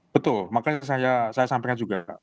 betul makanya saya sampaikan juga